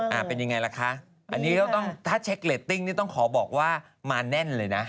หน้าเขาอ๊อปป้าบ้างค่ะอันนี้คือถ้าเช็คเรตติ้งต้องขอบอกว่ามาแน่นเลยนะ